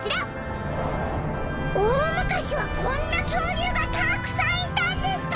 おおむかしはこんなきょうりゅうがたくさんいたんですか！